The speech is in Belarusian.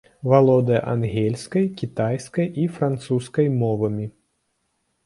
Валодае ангельскай, кітайскай і французскай мовамі.